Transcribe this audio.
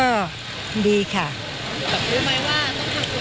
รู้ไหมว่าต้องทำตัวอย่างไรในการเข้าทรง